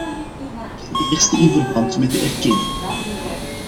Ten eerste in verband met de erkenning.